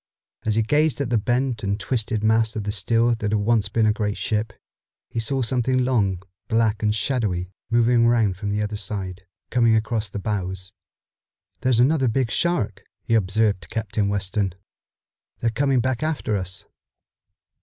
As he gazed at the bent and twisted mass of steel that had once been a great ship, he saw something long, black and shadowy moving around from the other side, coming across the bows. "There's another big shark," he observed to Captain Weston. "They're coming back after us."